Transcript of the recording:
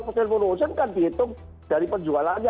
sales promotion kan dihitung dari penjualannya